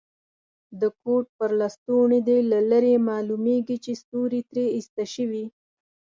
د کوټ پر لستوڼي دي له لرې معلومیږي چي ستوري ترې ایسته شوي.